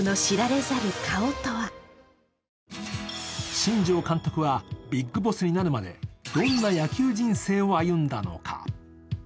新庄監督はビッグボスになるまで、どんな野球人生を歩んだのか。